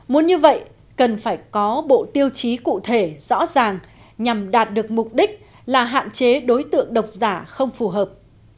muốn như vậy cần phải có bộ tiêu chí cụ thể rõ ràng nhằm đạt được mục đích là hạn chế đối tượng độc giả không phù hợp